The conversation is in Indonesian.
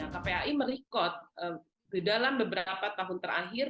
kpai merekod di dalam beberapa tahun terakhir